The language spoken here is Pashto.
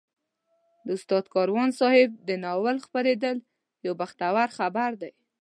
د استاد کاروان صاحب د ناول خپرېدل یو بختور خبر دی.